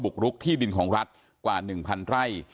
กรุกที่ดินของรัฐกว่า๑๐๐ไร่